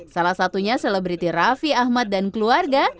salah satunya selebriti raffi ahmad dan keluarga